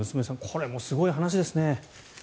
これもすごい話ですね。